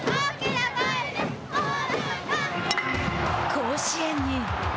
甲子園に。